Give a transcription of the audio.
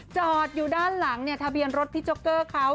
จอดอยู่ด้านหลังเนี่ยทะเบียนรถพี่โจ๊กเกอร์เขา